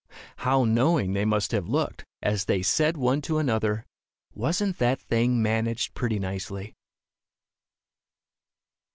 How knowing they must have looked, as they said one to another, "Wasn't that thing managed pretty nicely?"